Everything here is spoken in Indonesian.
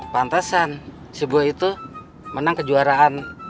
pantesan si boy itu menang kejuaraan